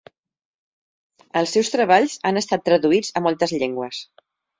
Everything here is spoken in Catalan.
Els seus treballs han estat traduïts a moltes llengües.